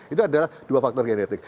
itu adalah dua faktor genetik